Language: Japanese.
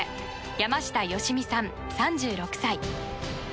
山下良美さん、３６歳。